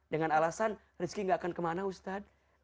dengan alasan rizki gak akan kemana ustadz